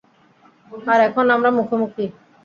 আর এখন আমরা মুখোমুখি!